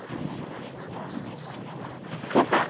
クーパー。